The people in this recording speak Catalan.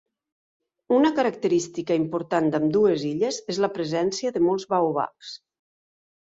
Una característica important d'ambdues illes és la presència de molts baobabs.